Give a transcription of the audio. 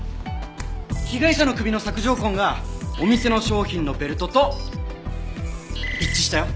被害者の首の索条痕がお店の商品のベルトと一致したよ。